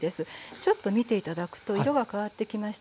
ちょっと見て頂くと色が変わってきましたね。